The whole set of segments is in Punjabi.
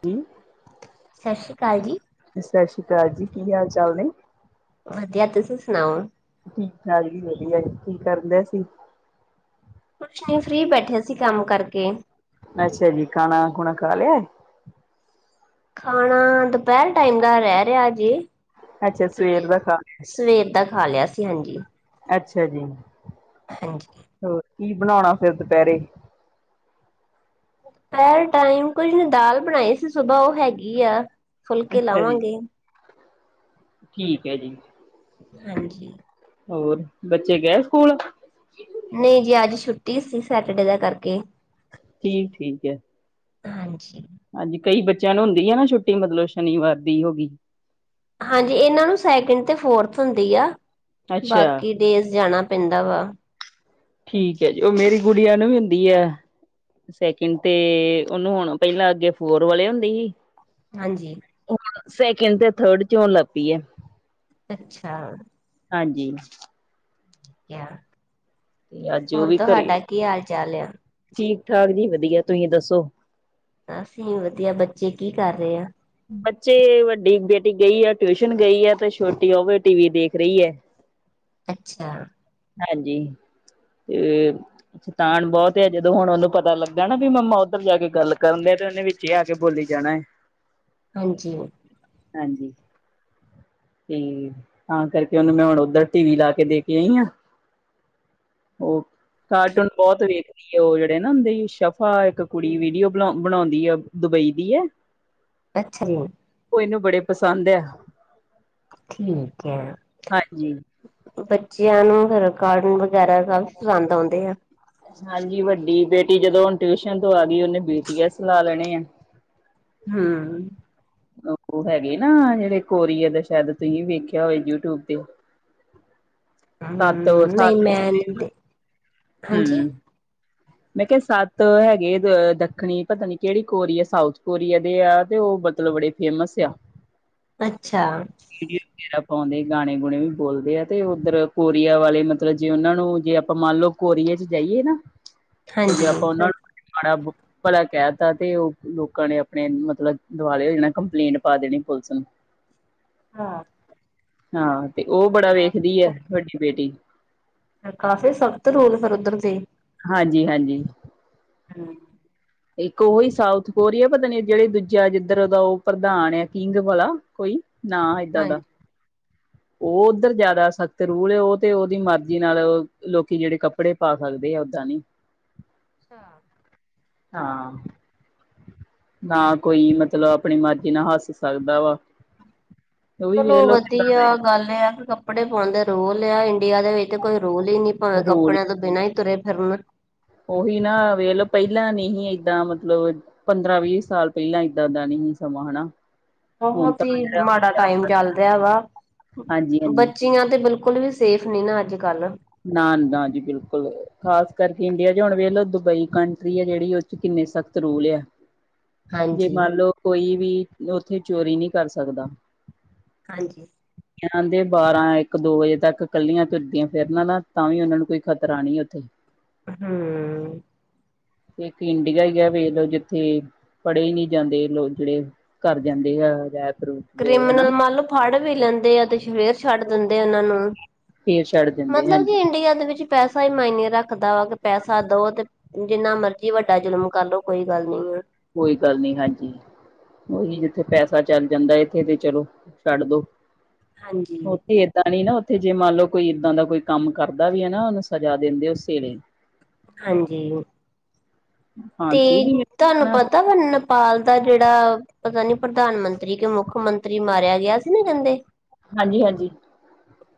ਕੀ? ਸਤਿ ਸ਼੍ਰੀ ਅਕਾਲ ਜੀ। ਸਤਿ ਸ੍ਰੀ਼ ਅਕਾਲ ਜੀ, ਕੀ ਹਾਲ ਚਾਲ ਨੇਂ? ਵਧੀਆ ਤੁਸੀਂ ਸੁਣਾਓ। ਹਾਂਜੀ ਵਦੀਆ ਜੀ, ਕੀ ਕਰਦੇ ਸੀ? ਕੁਛ ਨੀ ਫ੍ਰੀ ਬੈਠੇ ਸੀ ਕੰਮ ਕਰਕੇ ਅੱਛਾ ਜੀ ਖਾਣਾ-ਖੁਣਾ ਖਾ ਲਯਾਏ? ਖਾਣਾ ਦੋਪੇਰ ਟਾਈਮ ਦਾ ਰੇ ਰਿਆ ਅਜੇ, ਅੱਛਾ ਤੇ ਸਵੇਰ ਦਾ ਖਾ ਸਵੇਰ ਦਾ ਖਾ ਲਿਆ ਸੀ। ਹਾਂਜੀ। ਅੱਛਾ ਜੀ [unintelligible] ਹੋਰ ਕੀ ਬਣਾਉਣਾ ਫਿਰ ਦੁਪੈਰੇ? ਪੈਰ ਟਾਈਮ ਕੁਝ ਨੀ ਦਾਲ ਬਣਾਈ ਸੀ ਸੁਬਹ ਉਹ ਹੈਗੀ ਆ ਫੁਲਕੇ ਅੱਛਾ ਜੀ ਲਾਵਾਂਗੇ। ਠੀਕ ਏ ਜੀ। ਹਾਂਜੀ ਹੋਰ ਬੱਚੇ ਗਏ ਸਕੂਲ? ਨਈ ਜੀ ਅੱਜ ਛੁੱਟੀ ਸੀ ਸੈਟਰਡੇ ਦਾ ਕਰਕੇ। ਜੀ ਠੀਕ ਐ। ਹਾਂਜੀ। ਹਾਂਜੀ ਕਈ ਬੱਚਿਆਂ ਨੂੰ ਹੁੰਦੀ ਏ ਨਾਂ ਛੁੱਟੀ ਮਤਲਬ ਸ਼ਨੀਵਾਰ ਦੀ ਹੋਗੀ। ਹਾਂਜੀ ਏਨਾਂ ਨੂੰ ਸੈਕਿੰਡ ਤੇ ਫੋਰਥ ਹੁੰਦੀ ਆ ਅੱਛਾ ਬਾਕੀ ਦੇਸ ਜਾਣਾ ਪੈਂਦਾ ਵਾ ਠੀਕ ਹੈ ਜੀ, ਉ ਮੇਰੀ ਗੁੜੀਆਂ ਨੂੰ ਵੀ ਹੁੰਦੀ ਆ। ਸੈਕਿੰਡ ਤੇ ਉਨੂੰ ਹੁਣ ਪੈਲਾਂ ਅੱਗੇ ਫੋਰ ਵਾਲੇ ਹੁੰਦੀ ਹੀ ਹਾਂਜੀ। ਹੁਣ ਸੈਕਿੰਡ ਤੇ ਥਰਡ ਚ ਹੋਣ ਲੱਗ ਪੀ ਐ। ਅੱਛਾ। ਹਾਂਜੀ [unintelligible] ਤੇ ਅੱਜ ਉਵੀ ਘਰੇ, ਤੁਹਾਡਾ ਕੀ ਹਾਲ ਚਾਲ ਆ ਠੀਕ-ਠਾਕ ਜੀ ਵਦੀਆ। ਤੁਹੀਂ ਦੱਸੋ? ਅਸੀਂ ਵਦੀਆ, ਬੱਚੇ ਕੀ ਕਰ ਰਏ ਆ? ਬੱਚੇ ਵੱਡੀ ਬੇਟੀ ਗਈ ਆ ਟਿਊਸ਼ਨ ਗਈ ਆ ਤੇ ਛੋਟੀ ਓਵੇ ਟੀਵੀ ਦੇਖ ਰਈ ਐ। ਅੱਛਾ ਹਾਂਜੀ ਤੇ ਸ਼ਤਾਨ ਬਹੁਤ ਏ, ਜਦੋਂ ਹੁਣ ਉਹਨੂੰ ਪਤਾ ਲੱਗਗਾ ਨਾ ਵੀ ਮੰਮਾ ਉੱਧਰ ਜਾ ਕੇ ਗੱਲ ਕਰਨਦੇ ਆ ਤੇ ਉਹਨੇ ਵੀ ਕੀ ਆ ਕੇ ਬੋਲੀ ਜਾਣਾ ਐ। ਹਾਂਜੀ। ਹਾਂਜੀ। ਹਂ, ਤਾਂ ਕਰਕੇ ਉਹਨੂੰ ਮੈਂ ਹੁਣ ਓਧਰ ਟੀ ਵੀ ਲਾ ਕੇ ਦੇ ਕੇ ਆਈ ਆਂ। ਉਹ ਠੀ ਕਾਰਟੂਨ ਬਹੁਤ ਵੇਖ, ਦੀ ਉਹ ਜਿਹੜੇ ਨਾ ਹੁੰਦੀ ਸ਼ਫਾ ਇੱਕ ਕੁੜੀ ਵੀਡੀਓ ਬ ਬਣਾਦੀ ਐ ਦੁਬਈ ਦੀ ਐ। [inaudible] ਅੱਛਾ ਜੀ। ਉਹ ਇਹਨੂੰ ਬੜੇ ਪਸੰਦ ਆ। ਠੀਕ ਐ ਹਾਂਜੀ ਬੱਚਿਆਂ ਨੂੰ ਫਿਰ ਕਾਰਟੂਨ ਵ ਵਗੈਰਾ ਸਭ ਪਸੰਦ ਆਉਂਦੇ ਆ। ਹਾਂਜੀ, ਵੱਡੀ ਬੇਟੀ ਜਦੋਂ ਹੁਣ ਟਿਊਸ਼ਨ ਤੋਂ ਆ ਗਈ ਉਹਨੇ ਬੀ ਟਿ ਐਸ ਡੀ ਲਾ ਲੈਣੇ ਆ। ਹਾਂ। ਉਹ ਹੈਗੇ ਨਾ ਜਿਹੜੇ ਕੋਰੀਅਰ ਦਾ ਸ਼ਾਇਦ ਤੁਸੀਂ ਵੇਖਿਆ ਹੋਵੇ ਯੂਟਿਊਬ ਤੇ। ਸੱਤ ਹੂੰ, ਨਈ ਸੱਤ ਮੈਂ ਨਈ ਤੇ ਹੂੰ, ਮੈਂ ਕਿਆ ਸੱਤ ਹੈਗੇ ਦ ਦੱਖਣੀ ਪਤਾ ਨੀ ਕਿਹੜੀ ਕੋਰੀਆ ਸਾਊਥ ਕੋਰੀਆ ਦੇ ਆ ਤੇ ਉ ਮਤਲਬ ਬੜੇ ਫੇਮਸ ਆ। ਅੱਛਾ। [unintelligible] ਪਾਉਂਦੇ ਗਾਣੇ ਗੁਣੇ ਵੀ ਬੋਲਦੇ ਆ ਤੇ ਉੱਧਰ ਕੋਰੀਆ ਵਾਲੇ ਮਤਲਬ ਜੇ ਉਹਨਾਂ ਨੂੰ ਜੇ ਆਪਾਂ ਮੰਨ ਲਓ। ਕੋਰੀਏ ਚ ਜਾਈਏ ਨਾ ਤੇ ਜੇ ਹਾਂਜੀ। ਆਪਾਂ ਉਹਨਾਂ ਨੂੰ ਭਲਾ ਕਹਿ ਤਾ ਤੇ ਉਹ ਲੋਕਾਂ ਨੇ ਆਪਣੇ ਮਤਲਬ ਦੁਆਲੇ ਹੋ ਜਾਣਾ ਕੰਪਲੇਂਟ ਪਾ ਦੇਣੀ ਪੁਲਿਸ ਨੂੰ ਹਾਂ। ਹਾਂ ਤੇ ਉਹ ਬੜਾ ਵੇਖਦੀ ਐ ਕਾਫੀ ਤੁਹਾਡੀ ਬੇਟੀ। ਕਾਫੀ ਸਖ਼ਤ ਰੂਲ ਫਿਰ ਉੱਧਰ ਦੇ ਹਾਂਜੀ ਹਾਂਜੀ। ਹੂੰ। ਇੱਕ ਉਹੀ ਸਾਊਥ ਕੋਰੀਆ ਪਤਾ ਨੀ ਜਿਹੜੇ ਦੂਜਾ ਜਿੱਧਰ ਉਹਦਾ ਉਹ ਪ੍ਰਧਾਨ ਆ ਕਿੰਗ ਵਾਲਾ ਕੋਈ ਨਾ ਏਦਾਂ ਹਾਂਜੀ ਦਾ। ਉਹ ਉੱਧਰ ਜਿਆਦਾ ਸਖ਼ਤ ਰੂਲ ਉਹ ਤੇ ਉਹਦੀ ਮਰਜ਼ੀ ਨਾਲ ਲੋਕੀ ਜਿਹੜੇ ਕੱਪੜੇ ਪਾ ਸਕਦੇ ਆ ਓਦਾਂ ਨੀ। ਹਾਂ। ਹਾਂ। ਨਾ ਕੋਈ ਮਤਲਬ ਆਪਣੀ ਮਰਜ਼ੀ ਨਾਲ ਹੱਸ ਸਕਦਾ ਵਾ ਉਹ ਵੀ ਚਲੋ ਵੇਖਲੋ ਕਿੱਦਾਂ ਵਧੀਆ ਗੱਲ ਇਹ ਆ ਕਿ ਕੱਪੜੇ ਪਾਉਣ ਦੇ ਰੋਲ ਆ ਇੰਡੀਆ ਦੇ ਵਿੱਚ ਕੋਈ ਰੋਲ ਹੀ ਨੀ। ਭਾਵੇਂ ਰੋਲ ਕੱਪੜਿਆਂ ਤੋਂ ਬਿਨਾ ਹੀ ਤੁਰੇ ਫਿਰਨ। ਉਹੀ ਨਾ ਵੇਖਲੋ ਪਹਿਲਾਂ ਨਹੀਂ ਸੀ ਏਦਾਂ ਮਤਲਬ। ਪੰਦਰਾਂ ਵੀਹ ਸਾਲ ਪਹਿਲਾਂ ਇੱਦਾਂ ਦਾ ਨਹੀਂ ਸਮਾਂ ਹਨਾ। ਹੁਣ ਬਹੁਤ ਤਾਂ ਹੀ ਜਿਹੜਾ ਮਾੜਾ ਟਾਈਮ ਚੱਲ ਰਿਹਾ ਵਾ ਹਾਂਜੀ ਹਾਂਜੀ ਬੱਚੀਆਂ ਤੇ ਬਿਲਕੁਲ। ਬਿਲਕੁਲ ਵੀ ਸੇਫ ਨੀ ਨਾ ਅੱਜ ਕੱਲ। ਨਾ ਨਾ ਜੀ ਬਿਲਕੁਲ ਖਾਸ ਕਰਕੇ ਇੰਡੀਆ ਚ ਹੁਣ ਵੇਖਲੋ ਦੁਬਈ ਕੰਟਰੀ ਹੈ ਜਿਹੜੀ ਕਿੰਨੇ ਸਖਤ ਰੂਲ ਐ। ਜੇ ਹਾਂਜੀ ਮੰਨ ਲਓ ਕੋਈ ਵੀ ਉੱਥੇ ਚੋਰੀ ਨਹੀਂ ਕਰ ਸਕਦਾ। ਹਾਂਜੀ। ਦੇ ਬਾਰਾਂ ਇੱਕ ਦੋ ਵਜੇ ਤੱਕ ਕੱਲੀਆਂ ਤੁਰਦੀਆਂ। ਫਿਰਨਾ ਨਾ ਤਾਂ ਵੀ ਉਹਨਾ ਨੂੰ ਕੋਈ ਖਤਰਾ ਨਹੀਂ ਉੱਥੇ ਹੂੰ, ਇੱਕ ਇੰਡੀਆ ਹੀ ਆ ਵੇਖਲੋ ਜਿੱਥੇ- ਫੜ੍ਹੇ ਹੀ ਨਹੀਂ ਜਾਂਦੇ ਲੋਕ ਜਿਹੜੇ ਘਰ ਜਾਂਦੇ ਆ ਰੇਪ ਰੁਪ, ਕ੍ਰਿਮਨਲ ਮੰਨ ਲਓ ਫੜ ਵੀ ਲੈਂਦੇ ਆ ਅਤੇ ਫੇਰ ਛੱਡ ਦਿੰਦੇ ਆ ਉਹਨਾਂ ਨੂੰ ਫੇਰ ਛੱਡ ਦਿੰਦੇ ਮਤਲਬ ਕਿ ਹਾਂਜੀ। ਇੰਡੀਆ ਦੇ ਵਿੱਚ ਪੈਸਾ ਹੀ ਮਾਇਨੇ ਰੱਖਦਾ ਵਾ, ਕਿ ਪੈਸਾ ਦਓ ਤੇ ਜਿੰਨਾ ਮਰਜੀ ਵੱਡਾ ਜ਼ੁਲਮ ਕਰਲੋ ਕੋਈ ਗੱਲ ਨੀ ਆ। ਕੋਈ ਗੱਲ ਨਹੀਂ, ਹਾਂਜੀ। ਉਹੀ ਜਿੱਥੇ ਪੈਸਾ ਚੱਲ ਜਾਂਦਾ, ਇੱਥੇ ਤੇ ਚਲੋ ਛੱਡ ਦੋ ਹਾਂਜੀ ਉਥੇ ਏਵੀ ਨਾ ਉੱਥੇ ਜੇ ਮੰਨ ਲਓ ਕੋਈ ਇੱਦਾਂ ਦਾ ਕੋਈ ਕੰਮ ਕਰਦਾ ਵੀ ਹੈ ਨਾ ਉਹਨੂੰ ਸਜਾ ਦਿੰਦੇ ਉਸੇ ਵੇਲੇ। ਹਾਂਜੀ। ਫਾਂਸੀ ਤੇ ਦੀ ਤੁਹਾਨੂੰ ਪਤਾ ਵਨ ਨੇਪਾਲ ਦਾ ਜਿਹੜਾ ਪਤਾ ਨੀ ਪ੍ਰਧਾਨ ਮੰਤਰੀ ਕਿ ਮੁੱਖ ਮੰਤਰੀ ਮਾਰਿਆ ਗਿਆ ਸੀ ਨਾ ਕਹਿੰਦੇ। ਹਾਂਜੀ, ਹਾਂਜੀ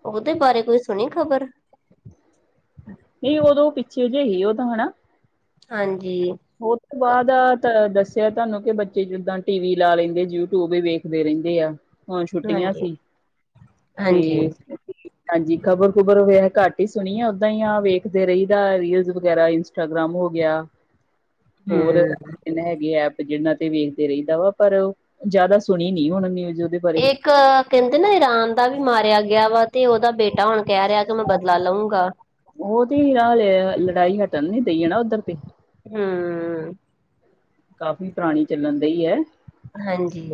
ਉਹਦੇ ਬਾਰੇ ਕੋਈ ਸੁਣੀ ਖ਼ਬਰ। ਨਹੀਂ ਉਦੋਂ ਪਿੱਛੇ ਜ ਜਿਹੇ ਹੀ ਉਹ ਤਾਂ ਹਨਾ ਹਾਂਜੀ। ਉਹ ਤੋਂ ਬਾਅਦ ਦੱਸਿਆ ਤੁਹਾਨੂੰ ਕਿ ਬੱਚੇ ਜਿੱਦਾਂ ਟੀ ਵੀ ਲਾ ਲੈਂਦੇ, ਯੂਟਿਊਬ ਵੀ ਵੇਖਦੇ ਰਹਿੰਦੇ ਆ। ਹੁਣ ਛੁੱਟੀਆਂ ਹਾਂਜੀ ਸੀ ਹਾਂਜੀ ਤੇ ਹਾਂਜੀ ਖਬਰ ਖੁਬਰ ਹੋ ਘੱਟ ਹੀ ਸੁਣੀਏ ਉਓਦਾਂ ਹੀ ਆ ਵੇਖਦੇ ਰਹੀਦਾ ਰੀਲ ਵਗੈਰਾ। ਇੰਸਟਾਗ੍ਰਾਮ ਹੋ ਗਿਆ ਹੋਰ ਹਮ ਇਹ ਹੈਗੇ ਐਪ ਜਿਹਨਾਂ ਤੇ ਵੇਖਦੇ ਰਹਦਾ ਵਾ ਪਰ ਉਹ ਜ਼ਿਆਦਾ ਸੁਣੀ ਨੀ ਹੁਣ ਨਿਊਜ਼ ਉਹਦੇ ਬਾਰੇ ਇੱਕ ਕਹਿੰਦੇ ਨਾ ਰਾਨ ਦਾ ਵੀ ਮਾਰਿਆ ਗਿਆ ਵਾ ਤੇ ਉਹਦਾ ਬੇਟਾ। ਬੇਟਾ ਹੁਣ ਕਹਿ ਰਿਹਾ ਕਿ ਮੈਂ ਬਦਲਾ ਲਊਂਗਾ। ਉਹ ਤੇ ਹੀ ਹ ਲੜਾਈ ਹਟਣ ਨੀ ਡਈ ਉੱਧਰ ਤੇ ਹੂੰ ਕਾਫ਼ੀ ਪੁਰਾਣੀ ਚੱਲਣ ਡਈ ਹੈ। ਹਾਂਜੀ।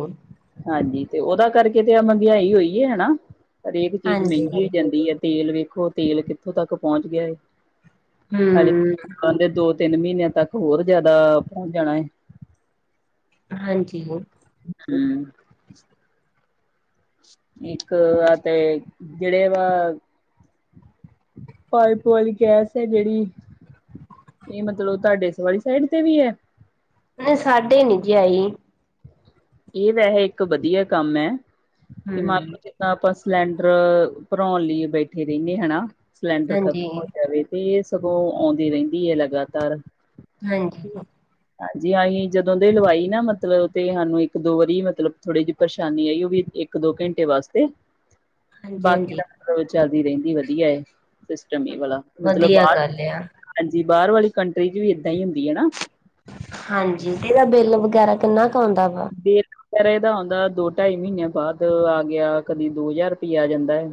ਹਾਂਜੀ, ਤੇ ਉਹਦਾ ਕਰਕੇ ਤੇ ਆ ਮਹਿੰਗਾਈ ਹੋਈ ਹੈ, ਹਨਾ ਹਰੇਕ ਚੀਜ਼ ਹਾਂਜੀ, ਮਹਿੰਗੀ ਹੋ ਹੂੰ। ਜਾਂਦੀ ਹੈ। ਤੇਲ ਵੇਖੋ ਤੇਲ ਕਿੱਥੋਂ ਤੱਕ ਪਹੁੰਚ ਗਿਆ ਹੈ। ਹੂੰ ਦੇ ਦੋ ਤਿੰਨ ਮਹੀਨਿਆਂ ਤੱਕ ਹੋਰ ਜਿਆਦਾ ਪਹੁੰਚ ਜਾਣਾ ਏ। ਹਾਂਜੀ। ਹੂੰ ਇੱਕ ਏ ਤੇ ਜਿਹੜੇ ਵਾ ਪਾਈਪ ਵਾਲੀ ਗੈਸ ਹੈ ਜਿਹੜੀ ਇਹ ਮਤਲਬ ਤੁਹਾਡੇ ਸਵੀ ਸਾਈਡ ਤੇ ਵੀ ਹੈ। ਨਹੀਂ ਸਾਡੇ ਨੀ ਜੇ ਆਈ। ਇਹ ਤਾਂ ਇਹ ਇੱਕ ਵਧੀਆ ਕੰਮ ਹੈ ਕਿ ਮੰ ਹੂੰ, ਤਾਂ ਆਪਾਂ ਸਿਲੰਡਰ ਭਰਾਉਣ ਲਈ ਬੈਠੇ ਰਹਿੰਏ ਹਨਾ, ਸਿਲੰਡਰ ਹਾਂਜੀ। ਖਤਮ ਹੋ ਜਾਵੇ। ਤੇ ਸਗੋਂ ਆਉਂਦੀ ਰਹਿੰਦੀ ਹੈ ਲਗਾਤਾਰ। ਹਾਂਜੀ। ਹਾਂਜੀ ਅਸੀਂ ਜਦੋਂ ਦੇ ਲਵਾਈ ਨਾ ਮਤਲਬ ਤੇ ਸਾਨੂੰ ਇੱਕ ਇੱਕ ਦੋ ਵਾਰੀ ਮਤਲਬ ਥੋੜੀ ਜਿਹੀ ਪਰੇਸ਼ਾਨੀ ਆਈ, ਉਹ ਵੀ ਇੱਕ ਦੋ ਘੰਟੇ ਵਾਸਤੇ ਬਾਕੀ ਹਾਂਜੀ। ਤਾਂ ਮਤਲਬ ਚੱਲਦੀ ਰਹਿੰਦੀ ਵਧੀਆ ਹੈ, ਸਿਸਟਮ ਚਲੋ ਵਾਲਾ ਮਤਲਬ ਵਧੀਆ ਬਾਹਰ ਗੱਲ ਆ, ਹਾਂਜੀ, ਬਾਹਰ ਵਾਲੀ ਕੰਟਰੀ ਚ ਵੀ ਏਦਾਂ ਹੀ ਹੁੰਦੀ ਹਨਾ। ਹਾਂਜੀ, ਇਹਦਾ ਬਿੱਲ ਵਗੈਰਾ ਕਿੰਨਾ ਕੁ ਆਉਂਦਾ ਵਾ। [unintelligible] ਇਹਦਾ ਆਉਂਦਾ ਦੋ ਢਾਈ ਮਹੀਨਿਆਂ ਬਾਅਦ ਆ ਗਿਆ, ਕਦੀ ਦੋ ਹਜ਼ਾਰ ਰੁਪਇਆ ਜਾਂਦਾ ਹੈ।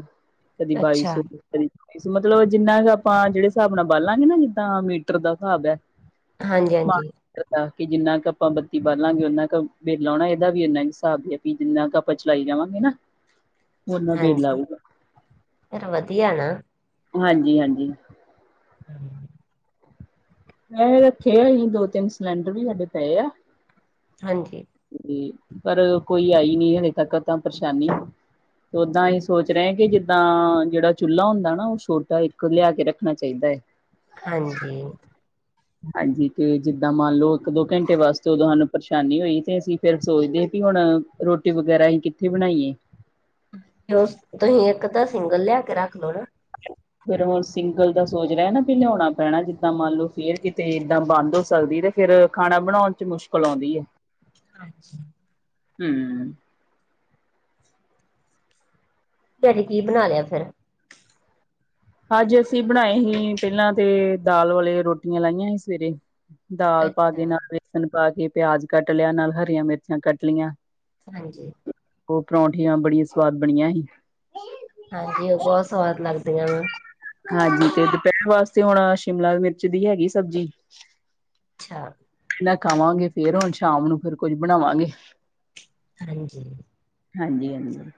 ਕਦੀ ਬਾਈ ਅੱਛਾ, ਸੌ। ਮਤਲਬ ਜਿੰਨਾ ਆਪਾਂ ਜਿਹੜੇ ਹਿਸਾਬ ਨਾਲ ਬਾਲਾਲਾਂਗੇ ਨਾ ਜਿੱਦਾਂ ਮੀਟਰ ਦਾ ਹਿਸਾਬ ਹੈ। ਹਾਂਜੀ, ਹਾਂਜੀ। ਤੇ ਅਸੀ ਜਿਹਨਾਂ ਘਟਾਂ ਬੱਚੀ ਕਰ ਲਾਂਗੇ, ਉਹਨਾ ਕੁ ਬੇਲਣੇ ਦਾ ਵੀ ਇੰਨਾ ਹਿਸਾਬ ਰਖੋ, ਜਿੰਹਨਾ ਕੁ ਆਪਾਂ ਚਲਾਈ ਜਾਵਾਂਗੇ ਨਾ। ਓਨਾ ਬਿੱਲ ਹਾਂਜੀ, ਆਊਗਾ ਇਹ ਤੇ ਵਧੀਆ ਏ ਨਾ। ਹਾਂਜੀ-ਹਾਂਜੀ। ਹਮ। ਮੈਂ ਵੱਖਰੇ ਗੀਤ ਵਚਨ ਸੁਨਾਉਂਦੀ ਵੀ ਆਂ, ਬਟ ਓਹਯਾ ਹਾਂਜੀ। ਉਮ, ਪਰ ਹਜੇ ਕੋਈ ਆਈ ਹੀ ਨਹੀਂ ਹਲੇ ਤੱਕ ਤਾਂ ਪਰੇਸ਼ਾਨੀ। ਓਹਦਾਂ ਅਸੀਂ ਸੋਚ ਰਹੇ ਹਾਂ ਕਿ ਜਿੱਹਦਾਂ, ਜਿਹੜਾ ਚੁੱਲ੍ਹਾ ਹੁੰਦਾ ਨਾ, ਉਹ ਛੋਟਾ ਇੱਕ ਲਿਆ ਕੇ ਰੱਖਣਾ ਚਾਹੀਦਾ ਹੈ। ਹਾਂਜੀ। ਹਾਂਜੀ। ਤੇ ਜਿੱਹਦਾਂ ਮੰਨ ਲਓ, ਇੱਕ- ਦੋ ਘੰਟੇ ਵਾਸਤੇ ਤੁਹਾਨੂੰ ਪਰੇਸ਼ਾਨੀ ਹੋਈ। ਤੇ ਅਸੀਂ ਫੇਰ ਸੋਚਦੇ ਤੀ, ਹੁਣ ਰੋਟੀ ਵਗੈਰਾ ਅਸੀ ਕਿੱਥੇ ਬਣਾਈਏ। ਮਸਤ ਇੱਕ ਤਾਂ ਸੋ ਰਹੀਆ ਤੇ ਰੱਖ ਲਓ ਨਾ। [inaudible] ਫਿਰ ਵੋ ਸਿੰਗਲ ਦਾ ਸੋਚ ਰਿਹਾ ਨਾ ਕਿ ਲਿਆਉਣਾ ਪੈਣਾ, ਜਿੱਹਦਾਂ ਮੰਨ ਲੋ ਫੇਰ ਕਿਤੇ ਇਹਦਾਂ ਬੰਦ ਹੋ ਸਕਦੀ। ਤੇ ਫਿਰ ਖਾਣਾ ਬਣਾਉਣ ਚ' ਮੁਸ਼ਕਿਲ ਆਉਂਦੀ ਹੈ। ਹਾਂਜੀ। ਹੂੰ। ਦਆੜੀ ਕੀ ਬਣਾ ਲਿਆ ਫੇਰ ਅੱਜ ਅਸੀਂ ਬਣਾਏ ਹੀਂ, ਪਹਿਲਾਂ ਤੇ ਦਾਲ ਵਾਲਿਆ ਰੋਟੀਆਂ ਬਣਾਈਆਂ ਸੀ। ਸੁਵੇਰੇ। ਦਾਲ ਪਾ ਅੱਛਾ। ਕੇ, ਨਾਲ ਬੇਸਨ ਪਾ ਕੇ ਪਿਆਜ ਕੱਟ ਲਿਆ, ਨਾਲ ਹਰੀਆਂ ਮਿਰਚਾਂ ਕੱਟ ਲਈਆਂ। ਹਾਂਜੀ। ਹੋਰ ਪਰੌਂਠੀਆਂ ਬੜੀਆਂ ਸੁਵਾਦ ਬਣੀਆਂ ਹੀਂ। ਹਾਂਜੀ। ਉਹ ਬਹੁਤ ਸੁਵਾਦ ਲੱਗਦੀਆਂ ਆਂ। ਹਾਂਜੀ। ਤੇ ਦੁਪਹਿਰ ਵਾਸਤੇ ਹੁਣ ਸ਼ਿਮਲਾ ਮਿਰਚ ਦੀ ਹੈਗੀ ਸਬਜੀ। ਅੱਛਾ। ਐਦੇ ਨਾਲ ਖਾਵਾਂਗੇ। ਫੇਰ ਹੁਨ ਸ਼ਾਮ ਨੂੰ ਫਿਰ ਕੁੱਝ ਬਣਾਵਾਂਗੇ। ਹਾਂਜੀ। ਹਾਂਜੀ-ਹਾਂਜੀ,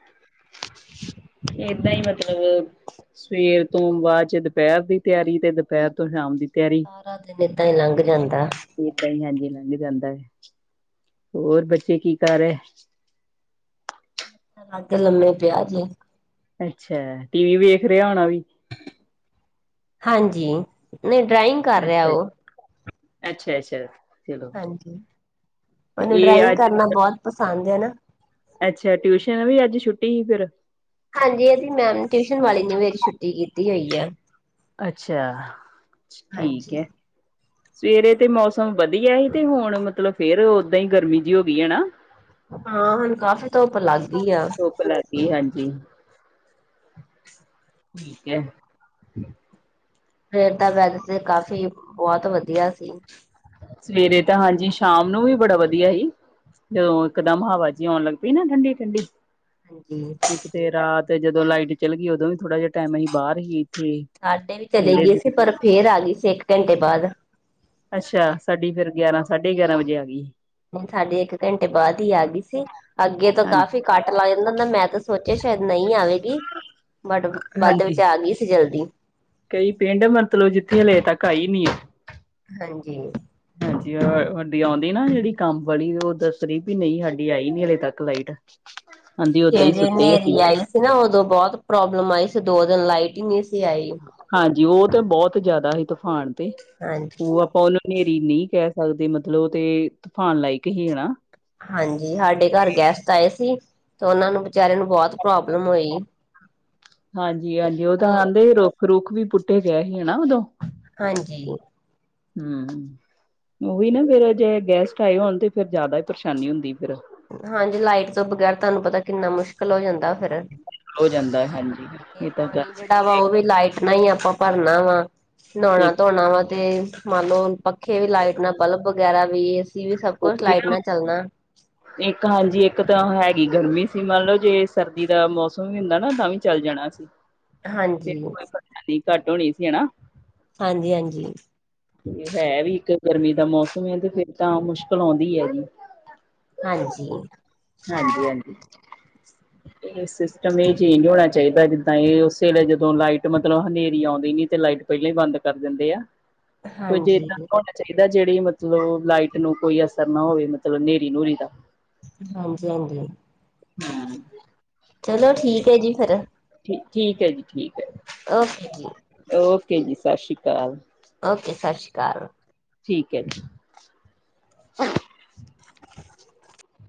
ਏਹਦਾਂ ਹੀ ਮਤਲਬ ਸੁਵੇਰ ਤੋਂ ਬਾਅਦ ਚ' ਦੁਪਹਿਰ ਦੀ ਤਿਆਰੀ, ਤੇ ਦੁਪਹਿਰ ਤੋਂ ਸ਼ਾਮ ਦੀ ਤਿਆਰੀ। ਸਾਰਾ ਦਿਨ ਇਹਦਾਂ ਹੀ ਲੰਘ ਜਾਂਦਾ। ਓਹ ਕੰਮ ਆਉਂਦੇ ਜਾਂਦੇ ਹੀ ਰਹਿੰਦਾ ਹੈ। ਹੋਰ ਬੱਚੇ ਕੀ ਕਰ ਰਹੇ? ਅਲੱਗ ਲੰਮੇ ਪਿਆ ਜੇ। ਅੱਛਾ। ਟੀ ਵੀ ਵੇਖ ਰਿਹਾ ਹੋਣਾ ਈ। ਹਾਂਜੀ। ਨਹੀਂ ਡਰਾਇੰਗ ਕਰ ਰਿਹਾ ਉਹ ਅੱਛਾ-ਅੱਛਾ-ਅੱਛਾ। ਹਾਂਜੀ। ਇਹਨੂੰ ਇਹ ਡਰਾਇੰਗ ਅੱਜ ਕਰਨਾ ਬਹੁਤ ਪਸੰਦ ਹੈ ਨਾ। ਅੱਛਾ। ਟਿਊਸ਼ਨ ਵੀ ਅੱਜ ਛੁੱਟੀ ਸੀ ਫੇਰ। ਹਾਂਜੀ। ਇਹਦੀ ਮੈਮ ਟਿਊਸ਼ਨ ਵਾਲੀ ਨੇ, ਮੇਰੀ ਛੁੱਟੀ ਕੀਤੀ ਹੋਈ ਐ। ਅੱਛਾ। ਠੀਕ ਹਾਂਜੀ। ਹੈ। ਸੁਵੇਰੇ ਤੇ ਮੌਸਮ ਵਧੀਆ ਈ, ਤੇ ਹੁਣ ਮਤਲਬ ਫੇਰ ਇਹ ਉਹਦਾਂ ਹੀ ਗਰਮੀ ਜਿਹੀ ਹੋ ਗਈ ਹੈ ਨਾ। ਹਾਂ। ਹੁਣ ਕਾਫ਼ੀ ਧੁੱਪ ਲੱਗ ਦੀ ਆ। ਕੀ ਹਾਂਜੀ। ਠੀਕ ਹੈ। ਫੇਰ ਤਾ ਵੇਸੇ ਕਾਫੀ ਬਹੁਤ ਵਧੀਆ ਸੀ। ਸੁਵੇਰੇ ਤਾ ਹਾਂਜੀ, ਸ਼ਾਮ ਨੂੰ ਵੀ ਬੜਾ ਵਧੀਆ ਸੀ। ਜਦੋਂ ਇਕਦਮ ਹਵਾ ਜਿਹੀ ਆਉਣ ਲੱਗ ਪਈ ਨਾ ਠੰਡੀ-ਠੰਡੀ। ਹਾਂਜੀ। ਇੱਕ ਤੇ ਰਾਤ ਜਦੋਂ ਲਾਈਟ ਚੱਲੀ ਗਈ ਉਦੋਂ ਵੀ ਥੋੜਾ ਜਿਹਾ ਟਾਈਮ ਅਸੀਂ ਬਾਹਰ ਸੀ। ਸਾਡੇ ਵੀ ਚਲੀ ਗਏ ਸੀ ਪਰ ਫੇਰ ਆ ਗਈ ਸੀ ਇੱਕ ਘੰਟੇ ਬਾਅਦ। ਅੱਛਾ। ਸਾਡੀ ਫੇਰ ਗਿਆਰਾਂ ਸਾਢੇ ਗਿਆਰਾਂ ਵਜੇ ਆ ਗਈ। ਸਾਡੇ ਇੱਕ ਘੰਟੇ ਬਾਅਦ ਹੀ ਆ ਗਈ ਸੀ। ਅੱਗੇ ਤੋਂ ਹਾਂਜੀ ਕਾਫ਼ੀ ਕਟ ਪ ਲੱਗ ਜਾਂਦਾ ਹੁੰਦਾ ਮੈਂ ਤਾਂ ਸੋਚਿਆ ਸ਼ਾਇਦ ਨਹੀਂ ਆਵੇਗੀ। ਬਟ ਵੱਧ ਵਿੱਚ ਹਾਂਜੀ ਆ ਗਈ ਸੀ ਜਲਦੀ। ਕਈ ਪਿੰਡ ਮਤਲਬ ਜਿੱਥੇ ਹਲੇੇ ਤੱਕ ਆਈ ਨਹੀ ਹੈ। ਹਾਂਜੀ। [inaudible] ਸਾਡੀ ਆਉਂਦੀ ਨਾ ਜਿਹੜੀ ਕੰਮ ਵਾਲੀ ਉਹ ਦੱਸ ਰੀ ਵੀ ਨਹੀਂ ਸਾਡੀ ਆਈ ਨੀ ਹਲੇ ਤੱਕ ਲਾਈਟ ਕਹਿੰਦੀ ਓਦਾਂ ਹੀ ਜਿਹੜੀ ਸੁੱਤੇ ਅਸੀਂ ਹਨੇਰੀ ਆਈ ਸੀ ਨਾ ਉਦੋਂ ਬਹੁਤ ਪ੍ਰੋਬਲਮ ਆਈ ਸੀ ਦੋ ਦਿਨ ਲਾਈਟ ਹੀ ਨਹੀਂ ਸੀ ਆਈ ਹਾਂਜੀ ਉਹ ਤਾਂ ਬਹੁਤ ਜ਼ਿਆਦਾ ਸੀ ਤੂਫਾਨ ਤੇ ਹਾਂਜੀ ਉਹ ਫੁਲ ਹਨੇਰੀ ਮੀਂਹ ਕਹਿ ਸਕਦੇ ਮਤਲਬ ਤੇ ਤੂਫਾਨ ਲਾਇਕ ਸੀ ਹੈਨਾ ਹਾਂਜੀ ਸਾਡੇ ਘਰ ਗੈਸਟ ਆਏ ਸੀ ਤੇ ਉਹਨਾਂ ਨੂੰ ਵਿਚਾਰੇ ਨੂੰ ਬਹੁਤ ਪ੍ਰੋਬਲਮ ਹੋਈ ਹਾਂਜੀ-ਹਾਂਜੀ ਉਹ ਤਾਂ ਕਹਿੰਦੇ ਰੋਖ ਰੁੱਖ ਵੀ ਪੁੱਟੇ ਗਏ ਸੀ ਹਨਾ ਉਦੋਂ ਹਾਂਜੀ ਹੂੰ ਹੂੰ, ਉਹੀ ਨਾ ਫਿਰ ਜੇ ਗੈਸਟ ਆਏ ਹੋਣ ਤੇ ਫਿਰ ਜਿਆਦਾ ਹੀ ਪਰੇਸ਼ਾਨੀ ਹੁੰਦੀ ਫਿਰ। ਹਾਂਜੀ ਲਾਈਟ ਤੋ ਬਗੈਰ ਤੁਹਾਨੂੰ ਪਤਾ, ਕਿੰਨਾ ਮੁਸ਼ਕਿਲ ਹੋ ਜਾਂਦਾ ਫਿਰ। ਹੋ ਜਾਂਦਾ ਹਾਂਜੀ। ਤੇ ਇਹ ਤਾਂ ਪਾਣੀ ਗੱਲ ਜਿਹੜਾ ਵਾ ਉਹ ਸਹੀ ਵੀ ਲਾਈਟ ਨਾਲ ਹੀ ਆਪਾਂ ਭਰਨਾ ਵਾ, ਨਹਾਣਾ ਇੱਕ ਧੋਣਾ ਆ। ਤੇ ਮੰਨ ਲਓ ਪੱਖੇ ਵੀ ਲਾਈਟ ਨਾਲ, ਬਲਬ ਵਗੈਰਾ ਵੀ, ਏ ਸੀ ਵੀ, ਸਭ ਕੁਛ ਉਹੀ ਲਾਈਟ ਨਾ ਨਾਲ ਚਲਣਾ। ਇੱਕ ਹਾਂਜੀ ਇੱਕ ਤਾਂ ਹੈਗੀ ਗਰਮੀ ਸੀ ਮੰਨ ਲਓ ਜੇ ਸਰਦੀ ਦਾ ਮੌਸਮ ਵੀ ਹੁੰਦਾ ਨਾ ਤਾਂ ਵੀ ਚੱਲ ਜਾਣਾ ਸੀ ਫਿਰ ਹਾਂਜੀ ਕੋਈ ਘੱਟ ਹੋਣੀ ਸੀ ਹਨਾ ਹਾਂਜੀ-ਹਾਂਜੀ ਤੇ ਹੈ ਵੀ ਇੱਕ ਗਰਮੀ ਦਾ ਮੌਸਮ ਐ ਤੇ ਫੇਰ ਤਾਂ ਮੁਸ਼ਕਿਲ ਆਉਂਦੀ ਹੈਗੀ ਹਾਂਜੀ ਹਾਂਜੀ-ਹਾਂਜੀ ਇਹ ਸਿਸਟਮ ਇਹ ਚੇਂਜ ਹੋਣਾ ਚਾਹੀਦਾ ਜਿੱਦਾਂ ਇਹ ਉਸ ਵੇਲੇ ਜਦੋਂ ਲਾਈਟ ਮਤਲਬ ਹਨੇਰੀ ਆਉਂਦੀ ਨੀ ਤੇ ਲਾਈਟ ਪਹਿਲਾਂ ਹੀ ਬੰਦ ਕਰ ਦਿੰਦੇ ਆ ਕੋ ਜੇ ਹਾਂਜੀ ਇਦਾਂ ਚਾਹੀਦਾ ਜਿਹੜੀ ਮਤਲਬ ਲਾਈਟ ਨੂੰ ਕੋਈ ਅਸਰ ਨਾ ਹੋਵੇ ਮਤਲਬ ਹਨੇਰੀ ਨੂਰੀ ਦਾ ਹਾਂਜੀ-ਹਾਂਜੀ ਹਾਂ ਚਲੋ ਠੀਕ ਐ ਜੀ ਫਿਰ ਠੀ ਠੀਕ ਐ ਜੀ ਠੀਕ ਐ ਓਕੇ ਜੀ ਓਕੇ ਜੀ ਸਤਿ ਸ਼੍ਰੀ ਅਕਾਲ ਓਕੇ ਸਤਿ ਸ਼੍ਰੀ ਅਕਾਲ ਠੀਕ ਐ ਜੀ